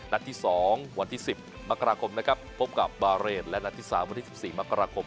นัดที่๒วันที่๑๐มกราคมนะครับพบกับบาเรนและนัดที่๓วันที่๑๔มกราคม